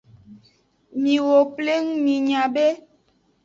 Miwo pleng minya be.